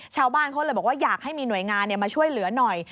ชาวบ้านเขาเลยบอกว่าอยากให้มีหน่วยงานมาช่วยเหลือหน่อย